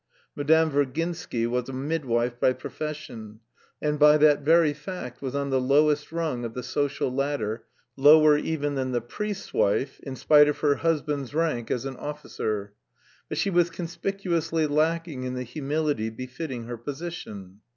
Madame Virginsky was a midwife by profession and by that very fact was on the lowest rung of the social ladder, lower even than the priest's wife in spite of her husband's rank as an officer. But she was conspicuously lacking in the humility befitting her position.